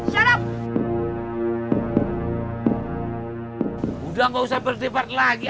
sudah gak usah berdebat lagi